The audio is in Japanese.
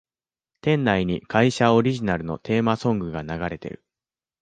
店内に会社オリジナルのテーマソングが流れてる